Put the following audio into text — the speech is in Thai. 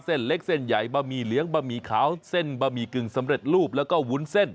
เส้นเล็กเส้นใหญ่บะหมี่เหลืองบะหมี่ขาวเส้นบะหมี่กึ่งสำเร็จรูปแล้วก็วุ้นเส้น